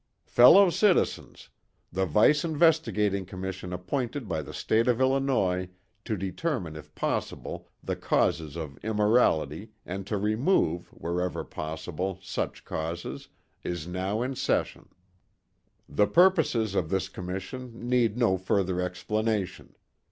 "Fellow Citizens, the Vice Investigating Commission appointed by the State of Illinois to determine if possible the causes of immorality and to remove, wherever possible, such causes, is now in session. The purposes of this commission need no further explanation.